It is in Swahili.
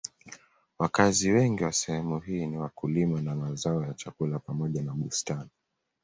Wakazi wengi wa sehemu hii ni wakulima wa mazao ya chakula pamoja na bustani.